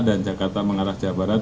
dan jakarta mengarah ke jawa barat